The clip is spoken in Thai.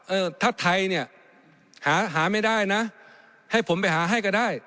เออถ้าไทยเนี่ยหาหาไม่ได้นะให้ผมไปหาให้ก็ได้